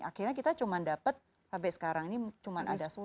akhirnya kita cuma dapat sampai sekarang ini cuma ada sepuluh